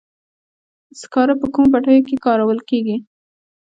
سکاره په کومو بټیو کې کارول کیږي؟